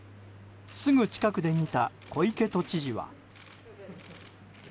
すぐ近くで見た小池都知事は。